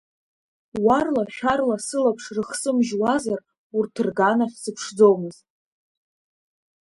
Уарла-шәарла сылаԥш рыхсмыжьуазар урҭ рганахь сыԥшӡомызт.